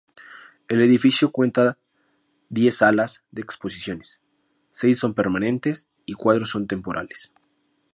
El edificio cuenta diez salas de exposiciones, seis son permanentes y cuatro son temporales.